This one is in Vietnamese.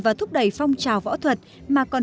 và thúc đẩy phong trào võ thuật mà còn